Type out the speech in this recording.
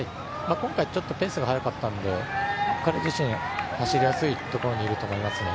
今回ちょっとペースが早かったんで、彼自身走りやすいところにいると思いますね。